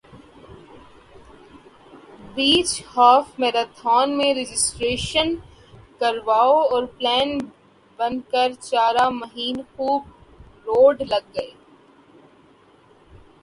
بیچ half marathon میں registration کروال اور پلان بن کہہ چارہ مہین خوب دوڑ لگ گے